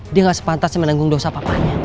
dia gak sepantas menanggung dosa papanya